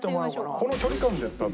この距離感で多分。